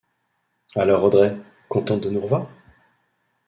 Alors Audrey, contente de nous revoir ?